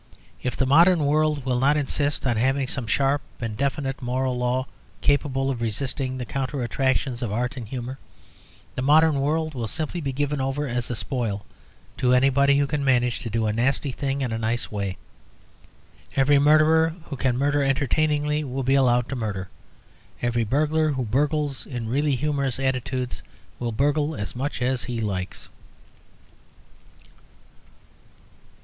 If the modern world will not insist on having some sharp and definite moral law, capable of resisting the counter attractions of art and humour, the modern world will simply be given over as a spoil to anybody who can manage to do a nasty thing in a nice way. Every murderer who can murder entertainingly will be allowed to murder. Every burglar who burgles in really humorous attitudes will burgle as much as he likes.